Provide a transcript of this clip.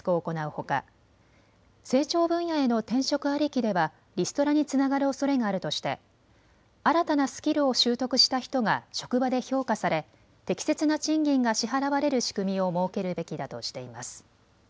ほか成長分野への転職ありきではリストラにつながるおそれがあるとして新たなスキルを習得した人が職場で評価され適切な賃金が支払われる仕組みを設けるべきだとしています。